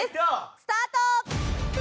スタート！